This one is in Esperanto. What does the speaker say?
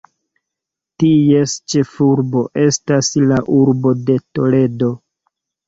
Ties ĉefurbo estas la urbo de Toledo.